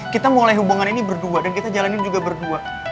kita mulai hubungan ini berdua dan kita jalanin juga berdua